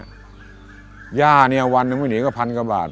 หญ้านี้วันนึงไม่หนีก็๑๐๐๐บาท